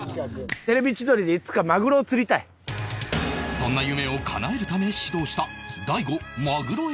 そんな夢をかなえるため始動した